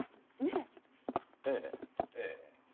ええええ。